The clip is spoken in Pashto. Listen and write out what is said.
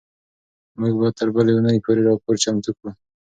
موږ به تر بلې اونۍ پورې راپور چمتو کړو.